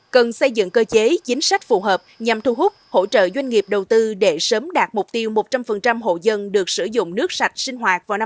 cần xây dựng cơ chế chính sách phù hợp nhằm thu hút hỗ trợ doanh nghiệp đầu tư để sớm đạt mục tiêu một trăm linh hộ dân được sử dụng nước sạch sinh hoạt vào năm hai nghìn ba mươi